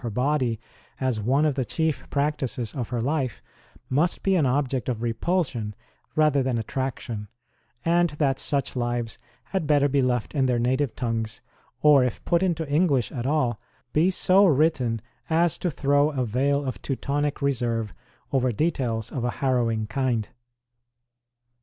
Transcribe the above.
ROSE 27 body as one of the chief practices of her life must be an object of repulsion rather than attraction ; and that such lives had better be left in their native tongues, or, if put into English at all, be so written as to throw a veil of Teutonic reserve over details of a harrowing kind.